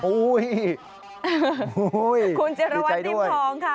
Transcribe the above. อุ๊ยดีใจด้วยคุณเจรวรรณดิมพองค่ะ